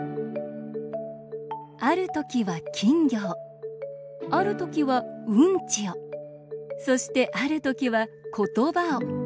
ある時は、金魚をある時は、うんちをそして、ある時は言葉を。